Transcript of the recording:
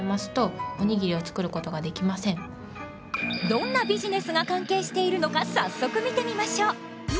どんなビジネスが関係しているのか早速見てみましょう。